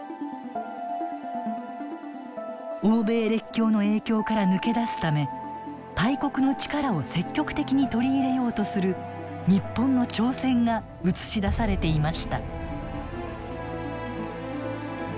欧米列強の影響から抜け出すため大国の力を積極的に取り入れようとする日本の挑戦が写し出されていました。